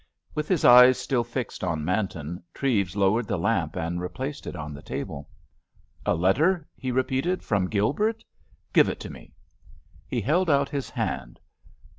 With his eyes still fixed on Manton, Treves lowered the lamp and replaced it on the table. "A letter," he repeated, "from Gilbert? Give it to me." He held out his hand.